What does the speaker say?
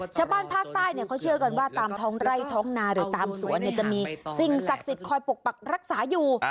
ชาวบ้านภาคใต้เขาเชื่อกันว่าตามท้องไร่ท้องนาหรือตามสวนจะมีสิ่งศักดิ์สิทธิ์คอยปกปักรักษาอยู่